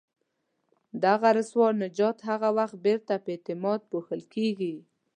دغه رسوا انجام هغه وخت بیرته په اعتماد پوښل کېږي.